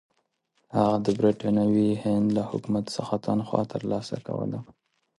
هغه د برټانوي هند له حکومت څخه تنخوا ترلاسه کوله.